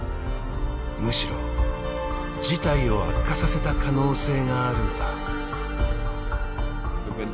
むしろ事態を悪化させた可能性があるのだ。